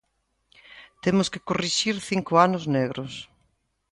Temos que corrixir cinco anos negros.